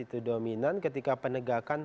itu dominan ketika penegakan